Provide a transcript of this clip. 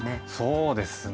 そうですね。